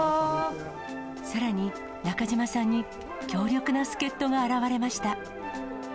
さらに中島さんに強力な助っ人が現れました。